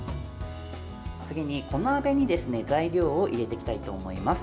次に小鍋に材料を入れていきたいと思います。